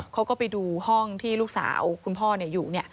เขาก็ไปดูห้องที่ลูกสาวคุณพ่ออยู่